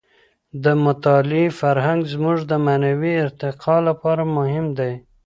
د مطالعې فرهنګ زموږ د معنوي ارتقاع لپاره مهم دی.